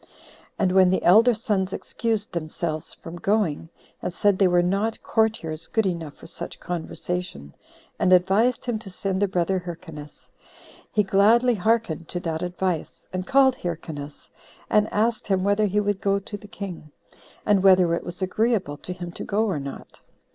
And when the elder sons excused themselves from going, and said they were not courtiers good enough for such conversation, and advised him to send their brother Hyrcanus, he gladly hearkened to that advice, and called Hyrcanus, and asked him whether he would go to the king, and whether it was agreeable to him to go or not.